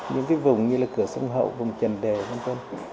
những cái vùng như là cửa sông hậu vùng trần đề văn tôn